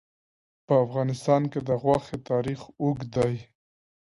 په افغانستان کې د غوښې تاریخ اوږد دی.